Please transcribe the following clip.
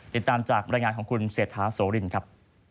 ติดตามจากบรรยายงานของคุณเศรษฐาโสรินครับ